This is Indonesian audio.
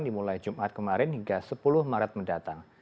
dimulai jumat kemarin hingga sepuluh maret mendatang